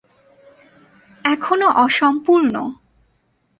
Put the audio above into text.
এখনও অসম্পূর্ণ।